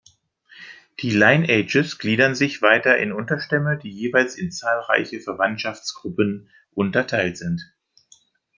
Die Lineages gliedern sich weiter in Unterstämme, die jeweils in zahlreiche Verwandtschaftsgruppen unterteilt sind.